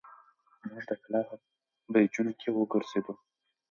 موږ د کلا په برجونو کې وګرځېدو.